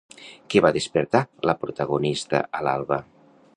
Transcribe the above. Què va despertar la protagonista a l'alba?